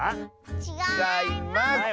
ちがいます！